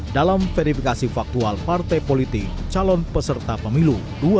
dalam verifikasi faktual partai politik calon peserta pemilu dua ribu dua puluh empat